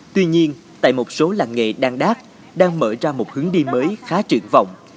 tuy nhiên tại một số làng nghề đan đác đang mở ra một hướng đi mới khá triển vọng